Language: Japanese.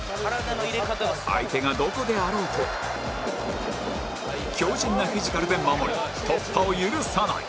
相手がどこであろうと強靭なフィジカルで守り突破を許さない